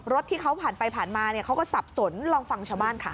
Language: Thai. รถที่เขาผ่านไปผ่านมาเนี่ยเขาก็สับสนลองฟังชาวบ้านค่ะ